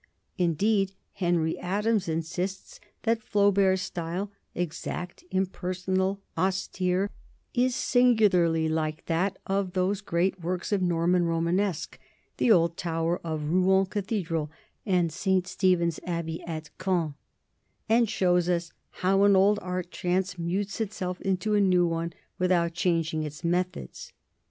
Indeed Henry Adams insists that Flaubert's style, exact, im personal, austere, is singularly like that of those great works of Norman Romanesque, the old tower of Rouen cathedral and St. Stephen's abbey at Caen, and shows us "how an old art transmutes itself into a new one, without changing its methods."